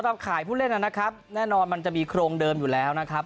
ขายผู้เล่นนะครับแน่นอนมันจะมีโครงเดิมอยู่แล้วนะครับ